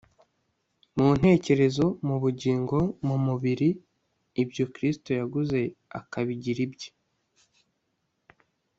mu ntekerezo, mu bugingo, mu mubiri, ibyo kristo yaguze akabigira ibye